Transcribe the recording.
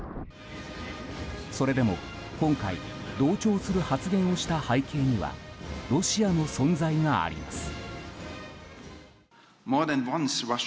それでも今回同調する発言をした背景にはロシアの存在があります。